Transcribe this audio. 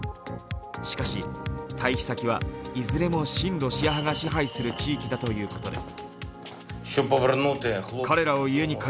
しかし、退避先はいずれも親ロシア派が支配する地域だということです。